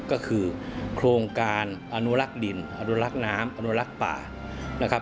ก็คือโครงการอนุลักษณ์ดินอนุลักษณ์น้ำอนุลักษณ์ป่า